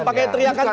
oh dari raka